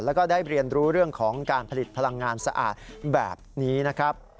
แล้วก็ได้เรียนรู้เรื่องของการผลิตพลังงานสะอาดแบบนี้นะครับ